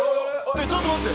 ・ちょっと待って。